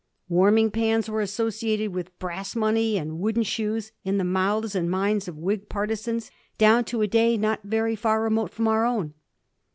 Warming pans were associated with brass money and wooden shoes in the mouths and minds of Whig partisans down to a day not very far remote from our own.